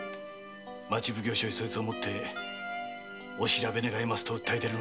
町奉行所へそいつを持って行きお調べ願いますと訴え出るのが筋だ。